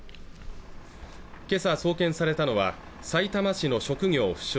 今朝送検されたのはさいたま市の職業不詳